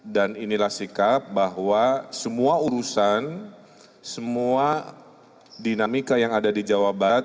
dan inilah sikap bahwa semua urusan semua dinamika yang ada di jawa barat